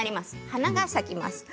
花が咲きます。